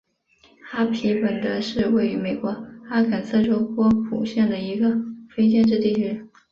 哈皮本德是位于美国阿肯色州波普县的一个非建制地区。